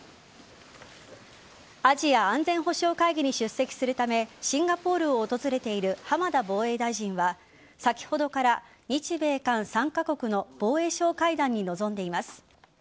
アジア安全保障会議に出席するためシンガポールを訪れている浜田防衛大臣は先ほどから日米韓３カ国の防衛相会談に臨んでいます。